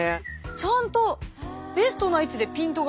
ちゃんとベストな位置でピントが。